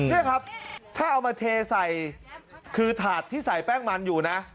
นี่ครับถ้าเอามาเทใส่คือถาดที่ใส่แป้งมันอยู่นะ